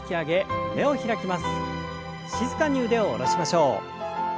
静かに腕を下ろしましょう。